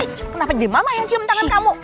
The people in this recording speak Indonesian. kenapa dia mama yang cium tangan kamu